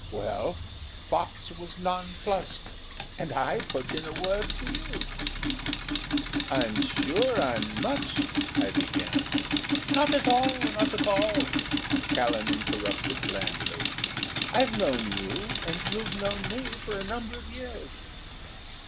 Well, Fox was nonplussed and I put in a word for you." "I'm sure I'm much " I began. "Not at all, not at all," Callan interrupted, blandly. "I've known you and you've known me for a number of years."